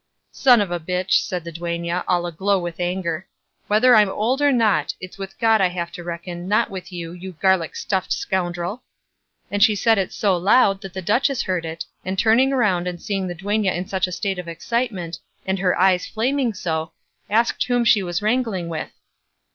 "Son of a bitch," said the duenna, all aglow with anger, "whether I'm old or not, it's with God I have to reckon, not with you, you garlic stuffed scoundrel!" and she said it so loud, that the duchess heard it, and turning round and seeing the duenna in such a state of excitement, and her eyes flaming so, asked whom she was wrangling with.